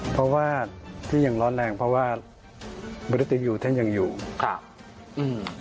เพราะว่าที่ยังร้อนแรงเพราะว่ามนุษยูท่านยังอยู่ครับอืม